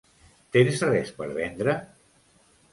Tens res per vendre?